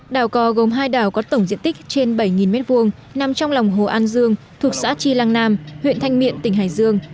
đảo cò gồm hai đảo có tổng diện tích trên bảy m hai nằm trong lòng hồ an dương thuộc xã tri lăng nam huyện thanh miện tỉnh hải dương